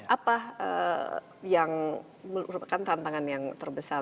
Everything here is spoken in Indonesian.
apa yang merupakan tantangan yang terbesar